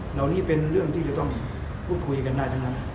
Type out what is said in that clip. เหล่านี้เป็นเรื่องที่จะต้องพูดคุยกันได้ทั้งนั้น